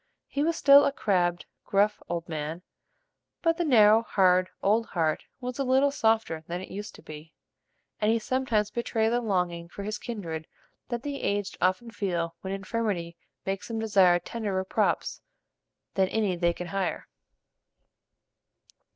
He was still a crabbed, gruff, old man; but the narrow, hard, old heart was a little softer than it used to be; and he sometimes betrayed the longing for his kindred that the aged often feel when infirmity makes them desire tenderer props than any they can hire.